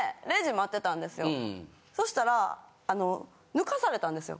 そしたら抜かされたんですよ。